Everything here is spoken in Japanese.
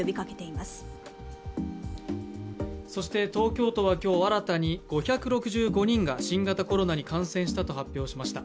そして東京都は今日新たに５６５人が新型コロナに感染したと発表しました。